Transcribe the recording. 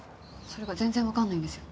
それが全然わからないんですよ。